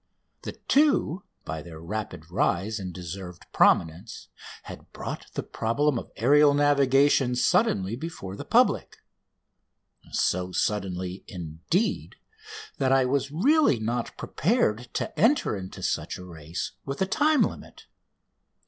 The two, by their rapid rise and deserved prominence, had brought the problem of aerial navigation suddenly before the public so suddenly, indeed, that I was really not prepared to enter into such a race with a time limit.